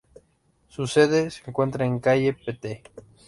Su sede se encuentra en calle Pte.